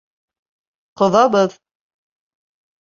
Ҡоҙабыҙ.